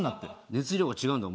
熱量が違うんだよ